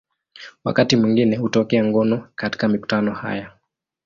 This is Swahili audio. Wakati mwingine hutokea ngono katika mikutano haya.